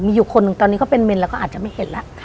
มีอยู่คนหนึ่งตอนนี้ก็เป็นเมนแล้วก็อาจจะไม่เห็นแล้ว